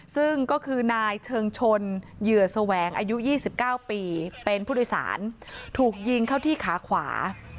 ซึ่งก็คือนายเชิงชนเหยื่อแสวงอายุ๒๙ปีเป็นผู้โดยสารถูกยิงเข้าที่ขาขวา